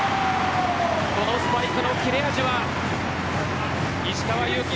このスパイクの切れ味は石川祐希